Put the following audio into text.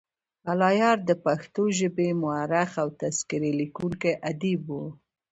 الله یار دپښتو ژبې مؤرخ او تذکرې لیکونی ادیب وو.